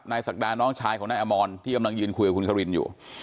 ศักดาน้องชายของนายอมรที่กำลังยืนคุยกับคุณควินอยู่